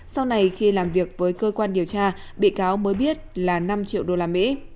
sau này khi làm việc với cơ quan điều tra bị cáo mới biết là năm triệu đô la mỹ